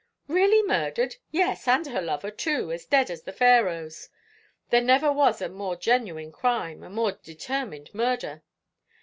"Really murdered! yes, and her lover too, as dead as the Pharaohs. There never was a more genuine crime, a more determined murder.